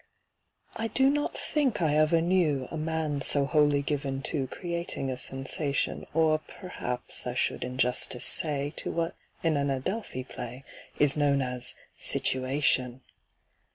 I do not think I ever knew A man so wholly given to Creating a sensation, Or p'raps I should in justice say— To what in an Adelphi play Is known as "situation."